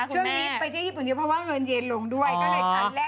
ช่วงนี้ไปเที่ยวญี่ปุ่นเยอะเพราะว่าเงินเย็นลงด้วย